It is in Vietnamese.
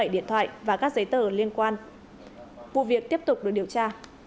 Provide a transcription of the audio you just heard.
hai trăm sáu mươi bảy điện thoại và các giấy tờ liên quan vụ việc tiếp tục được điều tra